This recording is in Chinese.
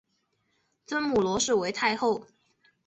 尊母罗氏为太后。